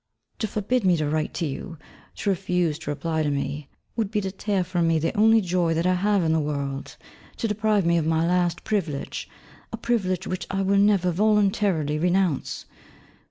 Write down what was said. To forbid me to write to you, to refuse to reply to me, would be to tear from me the only joy that I have in the world; to deprive me of my last privilege, a privilege which I will never voluntarily renounce.